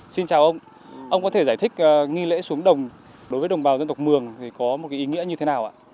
xin chào ông ông có thể giải thích nghi lễ xuống đồng đối với đồng bào dân tộc mường thì có một ý nghĩa như thế nào ạ